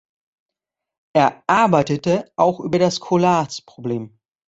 Er arbeitete auch über das Collatz-Problem.